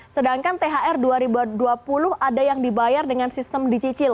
sedangkan thr dua ribu dua puluh ada yang dibayar dengan sistem dicicil